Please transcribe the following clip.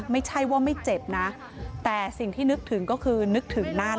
ไม่ใช่ว่าไม่เจ็บนะแต่สิ่งที่นึกถึงก็คือนึกถึงนั่น